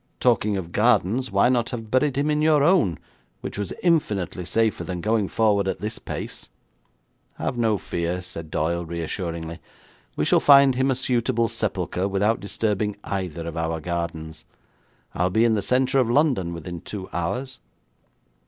Talking of gardens, why not have buried him in your own, which was infinitely safer than going forward at this pace.' 'Have no fear,' said Doyle reassuringly, 'we shall find him a suitable sepulchre without disturbing either of our gardens. I'll be in the centre of London within two hours.'